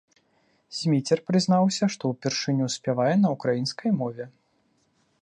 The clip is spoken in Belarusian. Зміцер прызнаўся, што ўпершыню спявае на ўкраінскай мове.